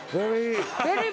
ベリー。